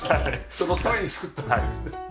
そのために作ったんですね。